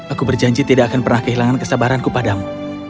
aku berjanji tidak akan pernah kehilangan kesabaranku padamu